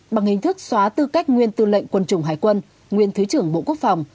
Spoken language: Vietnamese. bằng hình thức xóa tư cách nguyên tư lệnh quân chủng hải quân nguyên thứ trưởng bộ quốc phòng